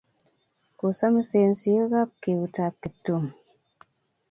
Kosamisen siok ap keut ap Kiptum.